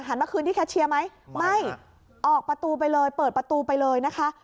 มาคืนที่แคชเชียร์ไหมไม่ออกประตูไปเลยเปิดประตูไปเลยนะคะ